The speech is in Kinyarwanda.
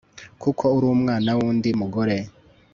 kuko uri umwana w'undi mugore